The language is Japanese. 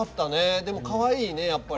でも、かわいいね、やっぱり。